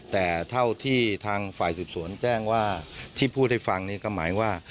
แต่เท่าที่ทางฝ่ายสืบสวนแจ้งว่าที่พูดให้ฟังนี่ก็หมายว่า